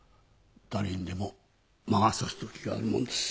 誰にでも魔が差す時があるものです。